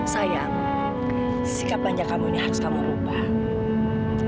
sayang sikap bajak kamu ini harus kamu ubah